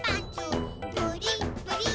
「プリップリッ」